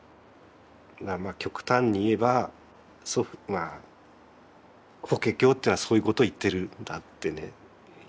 まあ極端に言えば祖父法華経っていうのはそういうことを言ってるんだってね